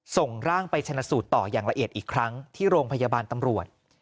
ส่งร่างไปชนะสูตรต่ออย่างละเอียดอีกครั้งที่โรงพยาบาลตำรวจ